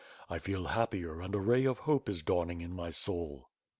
I feel happier and a ray of hope is dawning in my soul."